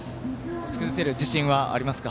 打ち崩せる自信はありますか。